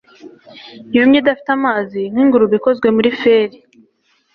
yumye idafite amazi nkingurube ikozwe muri feri